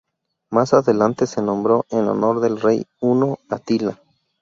Más adelante se nombró en honor del rey huno Atila.